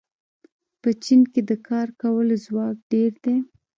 په چین کې د کار کولو ځواک ډېر دی.